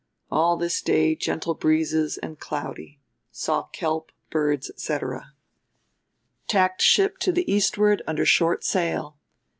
All this day gentle breezes and cloudy. Saw kelp, birds, etc. "Tacked ship to the eastward under short sail.